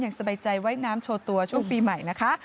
อย่างสบายใจไว้น้ำโชว์ตัวช่วงปีใหม่นะคะ